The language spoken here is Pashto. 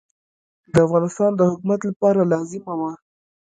د افغانستان د حکومت لپاره لازمه وه.